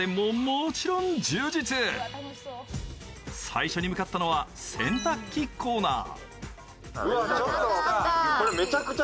最初に向かったのは洗濯機コーナー。